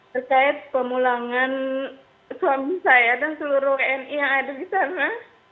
terkait pemulangan suami saya dan seluruh wni yang ada di sana